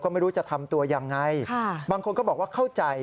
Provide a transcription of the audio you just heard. ไม่รู้จะทำตัวยังไงบางคนก็บอกว่าเข้าใจ